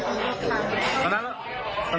ใช่ตอนนั้นก็ยิงตัวเรา